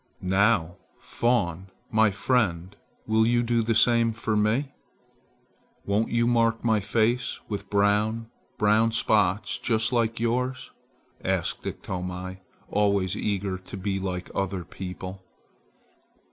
"Now, fawn, my friend, will you do the same for me? Won't you mark my face with brown, brown spots just like yours?" asked Iktomi, always eager to be like other people.